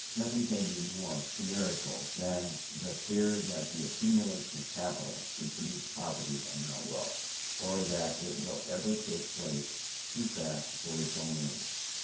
Nothing can be more chimerical than the fear that the accumulation of capital should produce poverty and not wealth, or that it will ever take place too fast for its own end.